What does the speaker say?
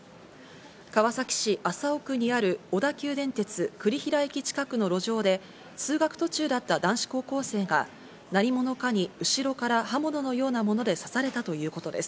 川崎市麻生区にある小田急電鉄・栗平駅近くの路上で、通学途中だった男子高校生が何者かに後ろから刃物のようなもので刺されたということです。